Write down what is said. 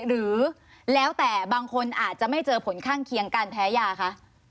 หรือแล้วแต่บางคนอาจจะไม่เจอผลข้างเคียงการแพ้ยาคะ